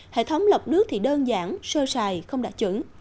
hệ thống lọc nước thì đơn giản sơ sài không đạ trưởng